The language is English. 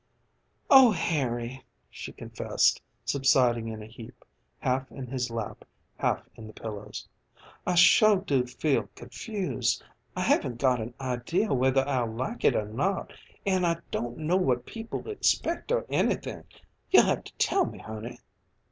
"Oh, Harry," she confessed, subsiding in a heap, half in his lap, half in the pillows, "I sure do feel confused. I haven't got an idea whether I'll like it or not, an' I don't know what people expect, or anythin'. You'll have to tell me, honey."